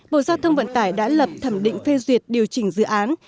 bộ giao thông vận tải đã lập thẩm định phê duyệt điều chỉnh dự án